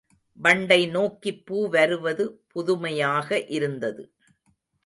வண்டை நோக்கிப் பூ வருவது புதுமையாக இருந்தது.